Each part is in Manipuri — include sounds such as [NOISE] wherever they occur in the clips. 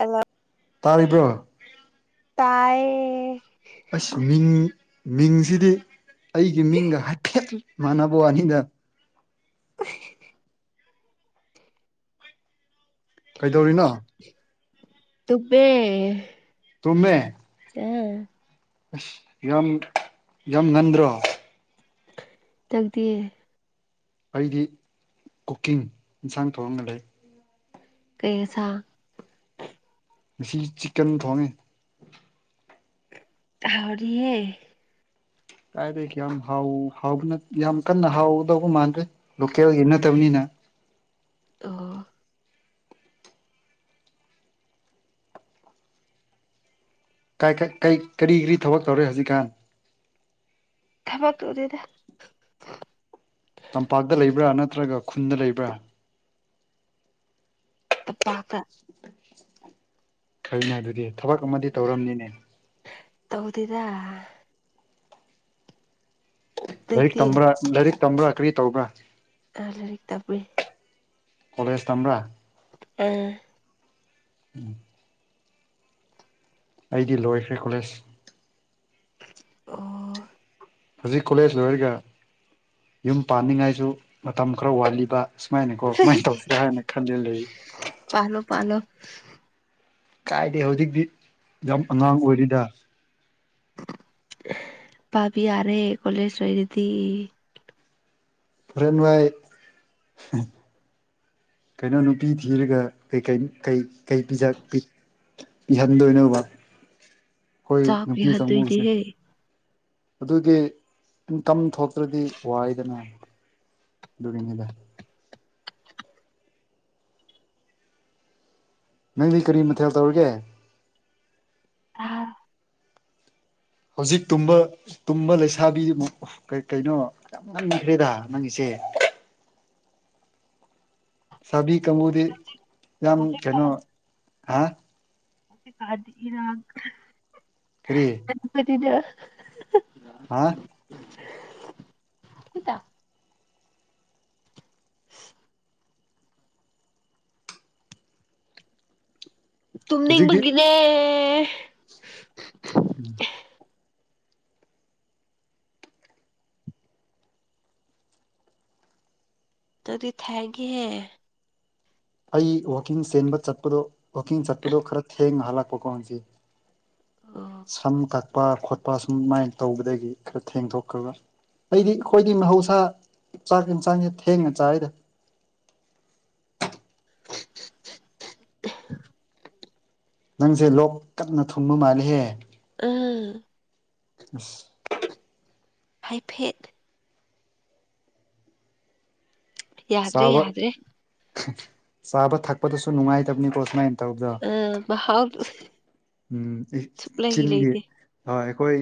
ꯑꯩ ꯋꯥ ꯇꯥꯔꯤꯕ꯭ꯔꯣ ꯇꯌꯦꯠ ꯑꯁ ꯃꯤꯡ ꯃꯤꯡꯁꯤꯗꯤ ꯑꯩꯒꯤ ꯃꯤꯡꯒ ꯍꯥꯏꯐꯦꯠ ꯃꯥꯟꯅꯕ ꯋꯥꯅꯤꯗ꯫ ꯍ ꯀꯩꯗꯧꯔꯤꯅꯣ ꯇꯨꯄꯦ ꯇꯨꯝꯃꯦ ꯑ [UNINTELLIGIBLE] ꯑꯁ ꯌꯥꯝ ꯌꯥꯝ ꯅꯟꯗ꯭ꯔꯣ ꯊꯛꯗꯤ ꯑꯩꯗꯤ ꯀꯨꯀꯤꯡ ꯏꯟꯁꯥꯡ ꯊꯧꯔꯒ ꯂꯩ ꯀꯩꯁ ꯉꯁꯤ ꯆꯤꯛꯀꯟ ꯊꯣꯡꯉꯦ ꯊꯔꯤꯌꯦ ꯀꯥꯏꯗꯩ ꯌꯥꯝ ꯍ ꯍꯥꯎꯕꯅ ꯌꯥꯝ ꯀꯟꯅ ꯍꯥꯎꯗꯧꯕ ꯃꯥꯟꯗ꯭ꯔꯦ ꯂꯣꯀꯦꯜꯒꯤ ꯅꯠꯇꯕꯅꯤꯅ꯫ ꯑꯣ ꯀꯔꯤ ꯀꯔꯤ ꯊꯕꯛ ꯇꯧꯔꯦ ꯍꯧꯖꯤꯛꯀꯥꯟ ꯊꯕꯛ ꯇꯨꯗꯗ ꯇꯝꯄꯥꯛꯇ ꯂꯩꯕ꯭ꯔꯥ ꯅꯠꯇ꯭ꯔꯒ ꯈꯨꯟꯗ ꯂꯩꯕ꯭ꯔꯥ꯫ ꯄꯥꯇ ꯐꯥꯏꯅꯦ ꯑꯗꯨꯗꯤ ꯊꯕꯛ ꯑꯃꯗꯤ ꯇꯧꯔꯝꯅꯤꯅꯦ꯫ ꯇꯧꯗꯗꯥ ꯂꯥꯏꯔꯤꯛ ꯅꯪꯗꯤ ꯇꯝꯕ꯭ꯔꯥ ꯂꯥꯏꯔꯤꯛ ꯇꯝꯕ꯭ꯔꯥ ꯀꯔꯤ ꯇꯧꯕ꯭ꯔꯥ ꯑꯥ ꯂꯩꯔꯤꯛ ꯇꯥꯕꯨꯏ ꯀꯣꯂꯦꯖ ꯇꯝꯕ꯭ꯔ꯫ ꯑꯝ ꯎꯝ ꯑꯩꯗꯤ ꯂꯣꯏꯈ꯭ꯔꯦ ꯀꯣꯂꯦꯖ꯫ ꯑꯣ ꯍꯧꯖꯤꯛ ꯀꯣꯂꯦꯖ ꯂꯣꯏꯔꯒ ꯌꯨꯝ ꯄꯥꯟꯅꯤꯡꯉꯥꯏꯁꯨ ꯃꯇꯝ ꯈꯔ ꯋꯥꯠꯂꯤꯕ ꯁꯨꯃꯥꯏꯅꯀꯣ ꯀꯃꯥꯏꯅ ꯇꯧꯁꯤꯔꯥ ꯍꯥꯏꯅ ꯈꯜꯂꯤ ꯂꯩ ꯄꯂꯣ ꯄꯂꯣ ꯀꯥꯏꯗꯦ ꯍꯧꯖꯤꯛꯇꯤ ꯌꯥꯝ ꯑꯉꯥꯡ ꯑꯣꯏꯔꯤꯗꯥ꯫ ꯄꯕꯤ ꯌꯥꯔꯦ ꯀꯣꯂꯦꯖ ꯂꯣꯏꯔꯥ ꯗꯤ꯫ ꯍꯣꯔꯦꯟ ꯋꯥꯏ ꯀꯩꯅꯣ ꯅꯨꯄꯤ ꯊꯤꯔꯒ ꯀ ꯀꯩ ꯄꯤ ꯄꯤꯍꯟꯗꯣꯏꯅꯕ ꯑꯩꯈꯣꯏ ꯆꯥꯛ ꯅꯨꯄꯤ ꯀꯥꯡꯕꯨꯁꯦ ꯄꯤꯍꯟꯗꯣꯏꯅꯦꯍꯦ ꯑꯗꯨꯒꯤ ꯏꯟꯀꯝ ꯊꯣꯛꯇ꯭ꯔꯗꯤ ꯋꯥꯏꯗꯅ ꯗꯨꯔꯤꯅꯤꯗ ꯅꯪꯗꯤ ꯀꯔꯤ ꯃꯊꯦꯜ ꯇꯧꯔꯒꯦ ꯑ ꯍꯧꯖꯤꯛ ꯇꯨꯝꯕ ꯇꯨꯝꯕ ꯂꯩꯁꯥꯕꯤ ꯑꯃꯨꯛ ꯀꯩꯅꯣ ꯌꯥꯝ ꯉꯟꯈ꯭ꯔꯦꯗ ꯅꯪꯒꯤꯁꯦ ꯁꯥꯕꯤ ꯀꯥꯡꯕꯨꯗꯤ ꯌꯥꯝ ꯀꯩꯅꯣ ꯍꯥ꯫ ꯐꯀꯥꯗ ꯏꯔꯥꯛ꯫ ꯀꯔꯤꯌꯦ ꯀ ꯀꯗꯤꯗ ꯍꯥ [UNINTELLIGIBLE] ꯍꯧꯖꯤꯛꯇꯤ ꯇꯨꯝꯅꯤꯡꯕꯒꯤꯅꯦ ꯎꯝ ꯑꯗꯨꯗꯤ ꯊꯦꯡꯒꯦꯦ ꯑꯩ ꯋꯥꯛꯀꯤꯡ ꯆꯦꯟꯕ ꯆꯠꯄꯗꯣ ꯋꯥꯛꯀꯤꯡ ꯆꯠꯄꯗꯣ ꯈꯔ ꯊꯦꯡꯅ ꯍꯜꯂꯛꯄꯀꯣ ꯉꯁꯤ꯫ ꯑꯣ ꯁꯝ ꯇ ꯈꯠꯄ ꯈꯣꯠꯄ ꯁꯨꯝꯃꯥꯏꯅ ꯇꯧꯕꯗꯒꯤ ꯈꯔ ꯊꯦꯡꯗꯣꯛꯈ꯭ꯔꯒ ꯑꯩꯗꯤ ꯑꯩꯈꯣꯏꯗꯤ ꯃꯍꯧꯁꯥ꯫ ꯆꯥꯒ ꯆꯉꯦ ꯊꯦꯡꯡ ꯆꯥꯏꯗ [UNINTELLIGIBLE] ꯅꯪꯁꯦ ꯂꯣꯛ ꯀꯟꯅꯥ ꯊꯨꯝꯕ ꯃꯥꯂꯦꯍꯦ꯫ ꯎꯝ ꯑꯝ ꯍꯥꯏꯐꯦꯠ ꯌꯥꯗ꯭ꯔꯦ ꯆꯥꯕ ꯌꯥꯗ꯭ꯔꯦ ꯆꯥꯕ ꯊꯛꯄꯗꯁꯨ ꯅꯨꯡꯉꯥꯏꯇꯕꯅꯤꯀꯣ ꯁꯨꯃꯥꯏꯅ꯫ ꯇꯧꯗꯥ ꯑ ꯃꯍꯥꯎ ꯎꯝ ꯁꯨꯛꯂꯩ ꯆꯤꯟꯒꯤ ꯂꯩꯇꯦ ꯍꯣꯏ ꯑꯩꯈꯣꯏ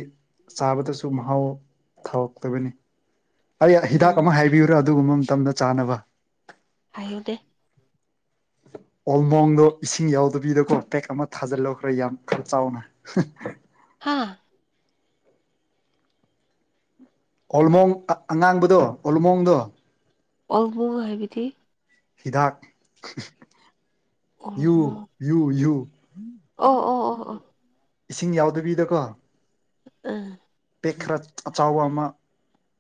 ꯆꯥꯕꯗꯁꯨ ꯃꯍꯥꯎ ꯊꯥꯔꯛꯇꯕꯅꯤ꯫ ꯑꯩ ꯍꯤꯗꯥꯛ ꯎꯝ ꯑꯃ ꯍꯥꯏꯕꯤꯌꯨꯔꯥ ꯑꯗꯨꯒꯨꯝꯕ ꯃꯇꯝꯗ ꯆꯥꯅꯕ ꯍꯥꯏꯌꯨꯗꯦ ꯑꯣꯜ ꯃꯣꯡꯛꯗꯣ ꯏꯁꯤꯡ ꯌꯥꯎꯗꯕꯤꯗꯀꯣ ꯄꯦꯛ ꯑꯃ ꯊꯥꯖꯤꯜꯂꯣ ꯈꯔꯥ ꯌꯥꯝ ꯈꯔꯥ ꯆꯥꯎꯅ ꯍꯥ꯫ ꯍꯥꯥ ꯑꯣꯜꯃꯣꯡ ꯑꯉꯥꯡꯕꯗꯣ ꯑꯣꯜꯃꯣꯡꯗꯣ ꯑꯣꯜ ꯃꯣꯡꯛ ꯍꯥꯏꯕꯗꯤ꯫ ꯍꯤꯗꯥꯛ ꯌꯨ ꯑꯣꯜꯃꯣ ꯌꯨ ꯌꯨ ꯑꯣ ꯑꯣ ꯑꯣ ꯑꯣ ꯏꯁꯤꯡ ꯌꯥꯎꯗꯕꯤꯗꯀꯣ꯫ ꯎꯝ ꯄꯦꯛ ꯈꯔꯥ ꯑꯥꯆꯕ ꯑꯃꯥ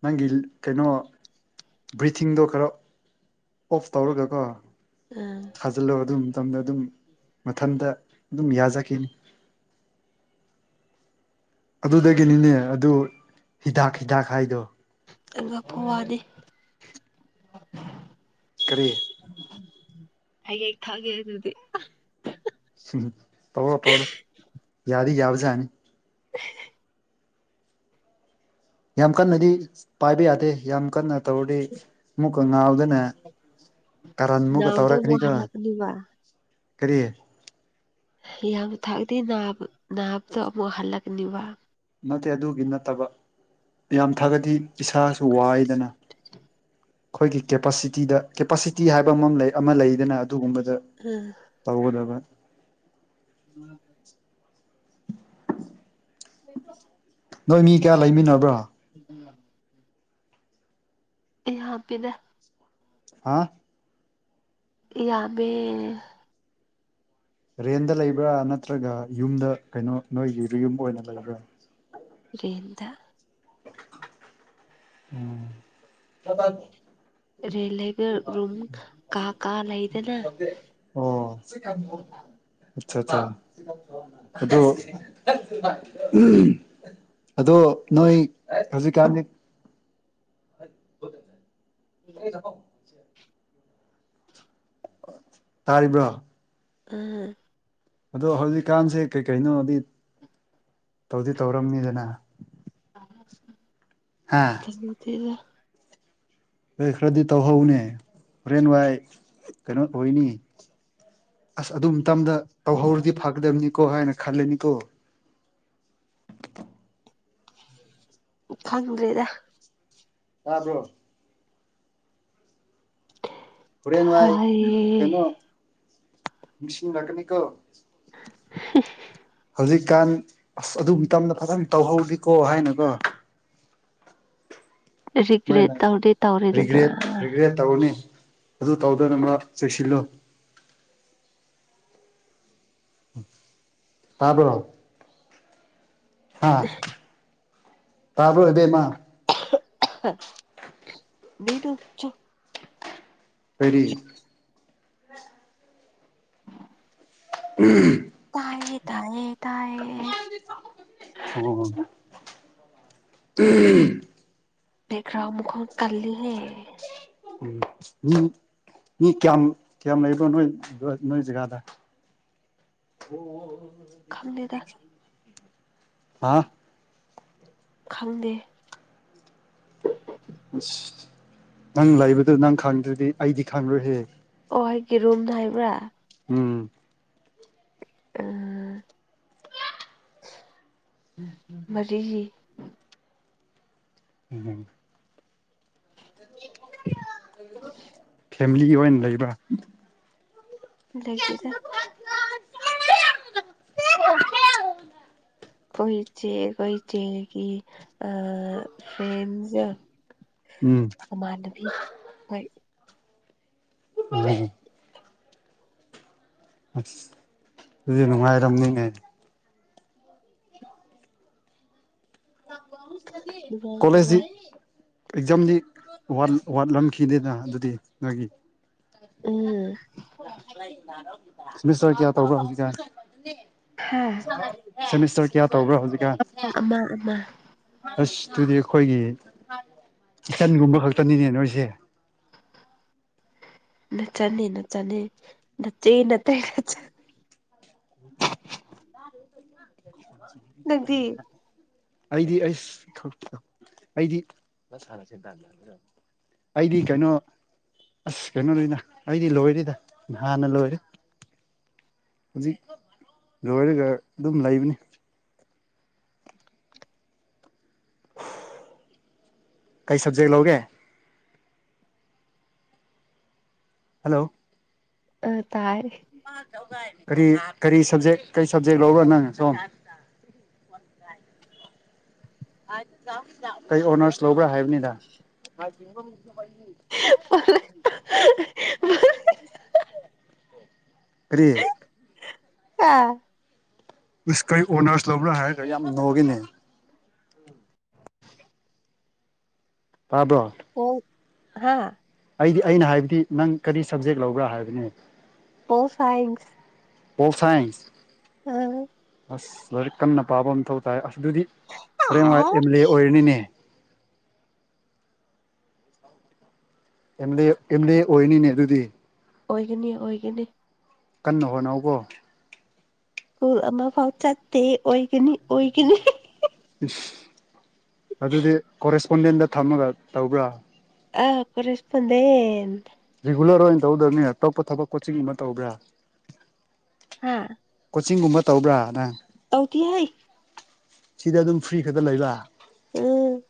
ꯅꯪꯒꯤ ꯀꯩꯅꯣ ꯕ꯭ꯔꯤꯊꯤꯡꯗꯣ ꯈꯔꯥ ꯑꯣꯐ ꯇꯧꯔꯒꯀꯣ ꯎꯝ ꯊꯥꯖꯤꯜꯂꯣ ꯑꯗꯨꯝ ꯃꯇꯝꯗ ꯑꯗꯨꯝ ꯃꯊꯟꯇ ꯑꯗꯨꯝ ꯌꯥꯖꯈꯤꯅꯤ꯫ ꯑꯗꯨꯗꯒꯤꯅꯤꯅꯦ ꯑꯗꯨ ꯍꯤꯗꯥꯛ ꯍꯤꯗꯥꯛ ꯍꯥꯏꯗꯣ꯫ ꯑꯉ ꯄꯋꯥꯅꯤꯦ ꯀꯔꯤ ꯑꯩ ꯊꯥꯒꯦ ꯑꯗꯨꯗꯤ ꯎꯝ ꯇꯧꯔꯣ ꯇꯧꯔꯣ ꯌꯥꯗꯤ ꯌꯥꯕꯖꯥꯅꯤ [UNINTELLIGIBLE] ꯌꯥꯝ ꯀꯟꯅꯗꯤ ꯄꯥꯏꯕ ꯌꯥꯗꯦ ꯌꯥꯝ ꯀꯟꯅ ꯇꯧꯗꯤ ꯃꯨꯛꯀ ꯉꯥꯎꯗꯅ ꯀꯔꯥꯟ ꯃꯨꯛꯀ ꯅꯥꯕꯗꯣ ꯑꯃꯨꯛ ꯇꯧꯔꯛꯀꯅꯤꯒ ꯍꯜꯂꯛꯀꯅꯤꯕ ꯀꯔꯤ ꯌꯥꯝ ꯊꯛꯑꯗꯤ ꯅꯥꯕ ꯅꯥꯕꯗꯣ ꯑꯃꯨꯛ ꯍꯜꯂꯛꯀꯅꯤꯕ ꯅꯠꯇꯦ ꯑꯗꯨꯒꯤ ꯅꯠꯇꯕ ꯌꯥꯝ ꯊꯥꯒꯠꯗꯤ ꯏꯁꯥꯁꯨ ꯋꯥꯏꯗꯅ ꯑꯩꯈꯣꯏꯒꯤ ꯀꯦꯄꯥꯁꯤꯇꯤꯗ ꯀꯦꯄꯥꯁꯤꯇꯤ ꯍꯥꯏꯕ ꯑꯃ ꯂꯩ ꯑꯃ ꯂꯩꯗꯅ ꯑꯗꯨꯒꯨꯝꯕꯗ ꯎꯝ ꯇꯒꯗꯕ [UNINTELLIGIBLE] [UNINTELLIGIBLE] ꯅꯣꯏ ꯃꯤ ꯀꯌꯥ ꯂꯩꯃꯤꯟꯅꯕ꯭ꯔꯣ [UNINTELLIGIBLE] ꯑꯩ ꯍꯥꯞꯄꯤꯗ ꯍꯥ ꯌꯥꯝꯃꯦ ꯔꯦꯟꯗ ꯂꯩꯕ꯭ꯔꯥ ꯅꯠꯇ꯭ꯔꯒ ꯌꯨꯝꯗ ꯀꯩꯅꯣ ꯅꯣꯏꯒꯤ ꯌꯨꯝ ꯑꯣꯏꯅ ꯂꯩꯕ꯭ꯔꯥ ꯏꯗ [UNINTELLIGIBLE] ꯔꯦꯟ ꯂꯩꯕ ꯔꯨꯝ ꯀꯥ ꯀꯥ ꯂꯩꯗꯅ ꯑꯆꯥ ꯑꯆꯥ ꯑꯗꯣ ꯎꯝ ꯑꯗꯣ ꯅꯣꯏ ꯍꯧꯖꯤꯛꯀꯥꯟꯗꯤ [UNINTELLIGIBLE] ꯇꯥꯔꯤꯕ꯭ꯔꯣ ꯎꯝ ꯑꯗꯣ ꯍꯧꯖꯤꯛꯀꯥꯟꯁꯦ ꯀꯩ ꯀꯩꯅꯣꯗꯤ ꯇꯧꯗꯤ ꯇꯧꯔꯝꯅꯤꯗꯅ [UNINTELLIGIBLE] ꯍꯥꯥ [UNINTELLIGIBLE] ꯍꯣꯏ ꯈꯔꯗꯤ ꯇꯧꯍꯧꯅꯦ ꯕ꯭ꯔꯦꯟꯟ ꯋꯥꯏꯠ ꯀꯩꯅꯣ ꯑꯣꯏꯅꯤ ꯑꯁ ꯑꯗꯨ ꯃꯇꯝꯗ ꯇꯧꯍꯧꯔꯗꯤ ꯐꯒꯗꯕꯅꯤꯀꯣ ꯍꯥꯏꯅ ꯈꯜꯂꯅꯤꯀꯣ ꯈꯪꯗ꯭ꯔꯦꯗ ꯑꯕꯣ ꯍꯧꯔꯦꯟ ꯋꯥꯏ ꯊꯥꯏꯌꯦ ꯀꯩꯅꯣ ꯃꯤꯁꯤ ꯂꯛꯀꯅꯤ ꯀꯣ [UNINTELLIGIBLE] ꯍꯧꯖꯤꯛꯀꯥꯟ ꯑꯁ ꯑꯗꯨ ꯇꯗ ꯐꯖꯅ ꯇꯧꯍꯧꯔꯤꯀꯣ ꯍꯥꯏꯅꯀꯣ ꯔꯤꯒ꯭ꯔꯦꯠ ꯁꯨꯃꯥꯏꯅ ꯇꯧꯗꯤ ꯔꯤꯒ꯭ꯔꯦꯠ ꯇꯧꯔꯤꯗꯅ ꯔꯤꯒ꯭ꯔꯦꯠ ꯇꯧꯒꯅꯤ ꯑꯗꯨ ꯇꯧꯗꯅꯕ ꯆꯦꯛꯁꯤꯜꯂꯨ ꯇꯥꯕ꯭ꯔꯣ ꯍꯥꯥ ꯇꯕ꯭ꯔꯣ ꯏꯕꯦꯝꯃ [UNINTELLIGIBLE] ꯀꯔꯤ [UNINTELLIGIBLE] ꯇꯥꯏꯌꯦ ꯇꯥꯏꯌꯦ ꯇꯥꯏꯌꯦ [UNINTELLIGIBLE] [INAUDIBLE] ꯀꯜꯂꯤꯍꯦ ꯎꯝ ꯎꯝ ꯃꯤ ꯀꯌꯥꯝ ꯀꯌꯥꯝ ꯂꯩꯕꯅꯣ ꯅꯣꯏ ꯅꯣꯏ ꯖꯒꯥꯗ ꯍꯨꯡ ꯈꯪꯗꯦꯗ ꯍꯥ ꯈꯪꯗꯦ ꯑꯁ ꯅꯪ ꯂꯩꯕꯗꯨ ꯅꯪ ꯈꯪꯗ꯭ꯔꯗꯤ ꯑꯩꯗꯤ ꯈꯪꯔꯣꯏꯍꯦ ꯑꯣ ꯑꯩꯒꯤ ꯔꯨꯝꯗ ꯍꯥꯏꯕ꯭ꯔꯥ ꯎꯝ ꯎꯝ ꯃꯔꯤ ꯎꯝ ꯐꯦꯃꯤꯂꯤꯒꯤ ꯑꯣꯏꯅ ꯂꯩꯕ꯭ꯔꯥ ꯂꯩꯇꯦꯗ ꯈꯣꯏ ꯆꯦ ꯈꯣꯏ ꯆꯦꯒꯤ ꯑ ꯐꯔ꯭ꯦ ꯟꯁꯀ ꯎꯝ ꯃꯃꯥꯟꯅꯕꯤ ꯍꯣꯏ ꯎꯝ ꯑꯁ ꯑꯗꯨꯗꯤ ꯅꯨꯡꯉꯥꯏꯔꯝꯅꯤꯅꯦ ꯅꯨꯡꯉꯥꯏ ꯀꯣꯂꯦꯖꯗꯤ ꯅꯨꯡꯉꯥꯏ ꯑꯦꯛꯖꯥꯝꯗꯤ ꯋꯥꯠ ꯋꯥꯠꯂꯝꯈꯤꯅꯤꯅ ꯑꯗꯨꯗꯤ ꯅꯣꯏꯒꯤ ꯎꯝ ꯁꯦꯃꯤꯁꯇꯔ ꯀꯌꯥ ꯇꯧꯕ꯭ꯔ ꯍꯧꯖꯤꯛꯁꯦ ꯍꯥ ꯁꯦꯃꯤꯁꯇꯔ ꯀꯌꯥ ꯇꯧꯕ꯭ꯔꯥ ꯍꯧꯖꯤꯛ ꯑꯃ ꯑꯃ ꯑꯁ ꯇꯨꯗꯤ ꯑꯩꯈꯣꯏꯒꯤ ꯏꯆꯟꯒꯨꯝꯕ ꯈꯛꯇꯅꯤꯅꯦ ꯅꯣꯏꯁꯦ ꯅꯆꯟꯅꯦ ꯅꯆꯟꯅꯦ ꯅꯆꯦ ꯅꯠꯇꯦ ꯍ [UNINTELLIGIBLE] ꯅꯪꯗꯤ ꯑꯩꯗꯤ ꯑꯩꯁ ꯑꯩꯗꯤ ꯑꯩꯗꯤ ꯀꯩꯅꯣ ꯑꯁ ꯀꯩꯅꯣꯅꯤꯅ ꯑꯩꯗꯤ ꯂꯣꯏꯔꯦꯗ ꯅꯍꯥꯟꯅ ꯂꯣꯏꯔꯦ ꯍꯧꯖꯤꯛ ꯂꯣꯏꯔꯒ ꯑꯗꯨꯝ ꯂꯩꯕꯅꯤ ꯀꯩ ꯁꯕꯖꯦꯛ ꯂꯧꯒꯦ ꯍꯜꯂꯣ ꯑ ꯇꯥꯏ ꯀꯔꯤ ꯀꯔꯤ ꯁꯕꯖꯦꯛ ꯀꯔꯤ ꯁꯕꯖꯦꯛ ꯂꯧꯕꯔ꯭ ꯅꯪ ꯁꯣꯝ ꯀꯩ ꯑꯣꯅꯔꯁ ꯂꯧꯕ꯭ꯔꯥ ꯍꯥꯏꯕꯅꯤꯗ ꯐꯂ ꯀꯔꯤ ꯍꯥ ꯏꯁ ꯀꯩ ꯑꯣꯅꯔꯁ ꯂꯧꯕ꯭ꯔꯥ ꯍꯥꯏꯔꯒ ꯌꯥꯝ ꯅꯣꯛꯏꯅꯦ ꯇꯥꯕ꯭ꯔꯣ ꯍꯥꯥ ꯑꯩꯗꯤ ꯑꯩꯅ ꯍꯥꯏꯕꯗꯤ ꯅꯪ ꯀꯔꯤ ꯁꯕꯖꯦꯛ ꯂꯧꯕ꯭ꯔ ꯍꯥꯏꯕꯅꯤ ꯄꯣꯜ ꯁꯥꯏꯟꯁ ꯄꯣꯜ ꯁꯥꯏ꯭ꯟꯁ ꯑꯥ ꯑꯁ ꯂꯥꯏꯔꯤꯛ ꯀꯟꯅ ꯄꯥꯕ ꯃꯊꯧ ꯇꯥꯏ ꯑꯁ ꯑꯗꯨꯗꯤ ꯍꯌꯦꯡ ꯋꯥꯏ ꯑꯥ ꯑꯦꯝ ꯑꯦꯜ ꯑꯦ ꯑꯣꯏꯔꯅꯤꯅꯦ M L A M L A ꯑꯣꯏꯅꯤꯅꯦ ꯑꯗꯨꯗꯤ ꯑꯣꯏꯒꯅꯤ ꯑꯣꯏꯒꯅꯤ ꯀꯟꯅ ꯍꯣꯠꯅꯧꯀꯣ ꯁ꯭ꯀꯨꯜ ꯑꯃꯐꯥꯎ ꯆꯠꯇꯦ ꯑꯣꯏꯒꯅꯤ ꯑꯣꯏꯒꯅꯤ ꯏꯁ ꯑꯗꯨꯗꯤ ꯀꯣꯔꯦꯁꯄꯣꯟꯗꯦꯟꯗ ꯊꯝꯃꯒ ꯇꯧꯕ꯭ꯔꯥ ꯑ ꯀ‌ꯣꯔ‌ꯦꯁꯄ‌ꯣꯟꯗꯦꯟ ꯔꯤꯒꯨꯂꯔ ꯑꯣꯏꯅ ꯇꯧꯗꯕꯅꯤꯅꯦ ꯑ ꯇꯣꯞꯄ ꯊꯕꯛ ꯀꯣꯆꯤꯡ ꯒꯨꯝꯕ ꯇꯧꯕ꯭ꯔꯥ ꯍꯥꯥ ꯀꯣꯆꯤꯡ ꯒꯨꯝꯕ ꯇꯧꯕ꯭ꯔꯥ ꯅꯪ ꯇꯧꯗ‌ꯦꯍꯩ ꯁꯤꯗꯥ ꯑꯗꯨꯝ ꯐ꯭ꯔꯤ ꯈꯛꯇ ꯂꯩꯕ꯫ ꯎꯝ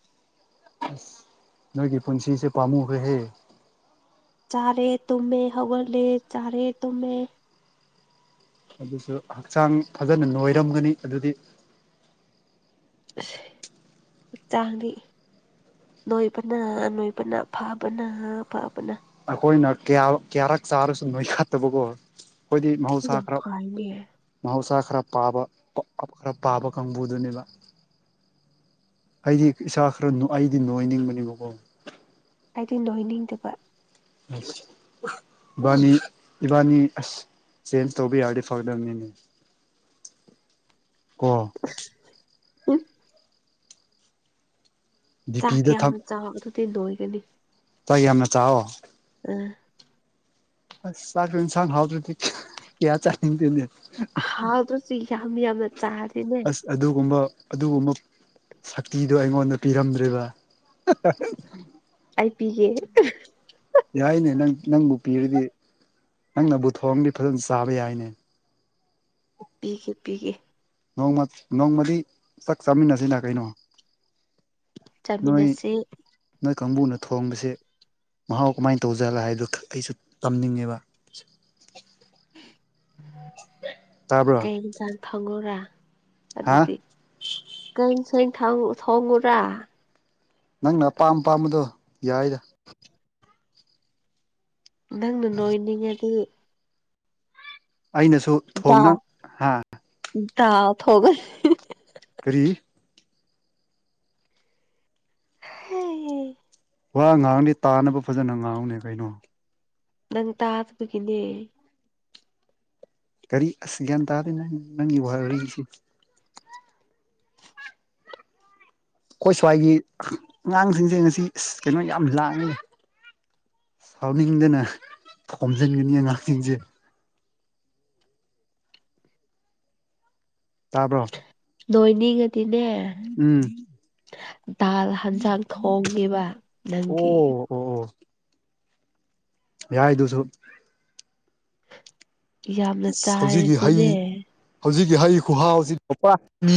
ꯑꯁ ꯅꯣꯏꯒꯤ ꯄꯨꯟꯁꯤꯁꯦ ꯄꯥꯝꯃꯨꯈ꯭ꯔ‌ꯦꯍꯦ ꯆꯥꯔꯦ ꯇꯨꯝꯃꯦ ꯍꯧꯒꯠꯂꯦ ꯆꯥꯔꯦ ꯇꯨꯝꯃꯦ ꯑꯗꯨꯁꯨ ꯍꯛꯆꯥꯡ ꯐꯖꯅ ꯅꯣꯏꯔꯝꯒꯅꯤ ꯑꯗꯨꯗꯤ ꯑꯁ ꯍꯛꯆꯥꯡꯗꯤ ꯅꯣꯏꯕꯅ ꯅꯣꯏꯕꯅ ꯐꯥꯕꯅ ꯐꯥꯕꯅ ꯑꯩꯈꯣꯏꯅ ꯀꯌꯥ ꯀꯌꯥꯔꯛ ꯆꯥꯔꯁꯨ ꯅꯣꯏ ꯈꯠꯇꯕꯀꯣ ꯑꯩꯈꯣꯏꯗꯤ ꯃꯍꯧꯁꯥ ꯌꯥꯝ ꯈꯔ ꯐꯩꯅꯦ ꯃꯍꯧꯁꯥ ꯈꯔ ꯄꯥꯕ ꯈꯔ ꯄꯥꯕ ꯀꯥꯡꯕꯨꯗꯨꯅꯦꯕ ꯑꯩꯗꯤ ꯏꯁꯥ ꯈꯔ ꯑꯩꯗꯤ ꯅꯣꯏꯅꯤꯡꯕꯅ‌ꯦꯕꯀꯣ ꯑꯩꯗꯤ ꯅꯣꯏꯅꯤꯡꯗꯕ ꯑꯁ ꯏꯕꯥꯅꯤ ꯏꯕꯥꯅꯤ ꯑꯁ ꯆꯦꯟꯖ ꯇꯧꯕꯥ ꯌꯥꯔꯗꯤ ꯐꯒꯗꯕꯅꯤꯅꯦ ꯀꯣ꯫ [UNINTELLIGIBLE] ꯆꯥꯛ ꯗꯤꯄꯤꯗ ꯊꯝ ꯌꯥꯝꯅ ꯆꯥꯎ ꯑꯗꯨꯗꯤ ꯅꯣꯏꯒꯅꯤ ꯆꯥꯛ ꯌꯥꯝꯅ ꯆꯥꯎꯋ‌ꯣ ꯑꯥ ꯑꯁ ꯆꯥꯛꯁꯨ ꯏꯟꯁꯥꯡ ꯍꯥꯎꯗ꯭ꯔꯗꯤ ꯀꯌꯥ ꯆꯥꯅꯤꯡꯗꯦꯅꯦ ꯍꯧꯇ꯭ꯔꯁꯨ ꯌꯥꯝ ꯌꯥꯝꯅ ꯆꯥꯔꯗꯤ ꯅꯦ꯫ ꯑꯁ ꯑꯗꯨꯒꯨꯝꯕ ꯑꯗꯨꯒꯨꯝꯕ ꯁꯛꯇꯤꯗꯣ ꯑꯩꯉꯣꯟꯗ ꯄꯤꯔꯝꯗ꯭ꯔꯦꯕ ꯑꯩꯥ ꯄꯤꯒꯦ ꯌꯥꯏꯅꯦ ꯅꯪ ꯅꯪꯕꯨ ꯄꯤꯔꯗꯤ ꯅꯪꯅꯕꯨ ꯊꯣꯡꯑꯗꯤ ꯐꯖꯅ ꯆꯥꯕ ꯌꯥꯏꯅꯦ ꯄꯤꯒꯦ ꯄꯤꯒꯦ ꯅꯣꯡꯃ ꯅꯣꯡꯃꯗꯤ ꯆꯥꯛ ꯆꯥꯃꯤꯟꯅꯁꯤꯅꯥ ꯀꯩꯅꯣ꯫ ꯅꯣꯏ ꯆꯥꯃꯤꯟꯅꯁ‌ꯦ ꯅꯣꯏ ꯀꯥꯡꯕꯨꯅ ꯊꯣꯡꯕꯁꯦ ꯃꯍꯥꯎ ꯀꯃꯥꯏꯟ ꯇꯧꯖꯜꯂ ꯍꯥꯏꯗꯨ ꯑꯩꯁꯨ ꯇꯝꯅꯤꯡꯉꯦꯕ ꯇꯥꯕ꯭ꯔꯣ ꯀꯩ ꯏꯟꯁꯥꯡ ꯊꯣꯡ ꯑꯣꯔꯥ ꯍꯥ ꯑꯗꯨꯗꯤ ꯀꯥꯡꯁ‌ꯣꯏ ꯊꯥꯎ ꯊꯣꯡꯎꯔꯥ ꯅꯪꯅ ꯑꯄꯥꯝ ꯄꯥꯝꯕꯗꯣ ꯌꯥꯏꯗ ꯅꯪꯅꯥ ꯅꯣꯏꯅꯤꯡ ꯉꯗꯤ ꯑꯩꯅꯁꯨ ꯊꯣꯡꯅ ꯗꯥꯜ ꯍꯥ ꯗꯥꯜ ꯊ‌ꯣꯡꯉ ꯀꯔꯤ ꯍꯩ ꯋꯥ ꯉꯥꯡꯉꯗꯤ ꯇꯥꯅꯕ ꯐꯖꯅ ꯉꯥꯡꯉ‌ꯣꯅ‌ꯦ ꯀꯩꯅꯣ ꯅꯪ ꯇꯥꯗꯕꯒꯤꯅꯦ ꯀꯔꯤ ꯑꯁ ꯒ꯭ꯌꯥꯟ ꯇꯥꯗꯦ ꯅꯪ ꯅꯪꯒꯤ ꯋꯥꯔꯤꯁꯤ ꯑꯩꯈꯣꯏ ꯁ꯭ꯋꯥꯏꯒꯤ ꯑꯉꯥꯡꯁꯤꯡꯁꯦ ꯉꯁꯤ ꯑꯁ ꯀꯩꯅꯣ ꯌꯥꯝ ꯂꯥꯡꯉ‌ꯦ ꯁꯥꯎꯅꯤꯡꯗꯅ ꯊꯣꯝꯖꯤꯟꯒꯅꯤ ꯑꯉꯥꯡꯁꯤꯡꯁꯦ ꯇꯥꯕ꯭ꯔꯣ ꯅꯣꯏꯅꯤꯡ ꯉꯗꯤꯅꯦ ꯎꯝ ꯗꯥꯜ ꯍꯟꯖꯥꯡ ꯊꯣꯡꯉꯦꯕ ꯑꯣ ꯅꯪꯒꯤ꯫ ꯑꯣ ꯑꯣ ꯌꯥꯍꯏꯗꯨꯁꯨ ꯌꯥꯝꯅ ꯑꯁ ꯍꯧꯖꯤꯛꯀꯤ ꯍꯩ ꯆꯥꯔꯗꯤꯅꯦ ꯍꯧꯖꯤꯛꯀꯤ ꯍꯩ ꯈꯨꯍꯥꯎꯁꯤ ꯄꯥꯄꯥ ꯃꯤ